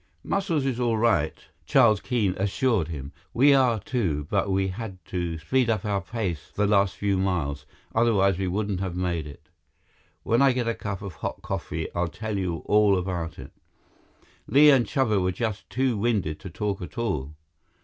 "Muscles is all right," Charles Keene assured him. "We are, too, but we had to speed up our pace the last few miles, otherwise we wouldn't have made it. When I get a cup of hot coffee, I'll tell you all about it." Li and Chuba were just too winded to talk at all.